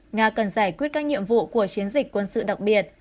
nga cần giải quyết các nhiệm vụ của chiến dịch quân sự đặc biệt